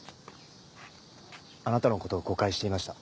あなたのことを誤解していました。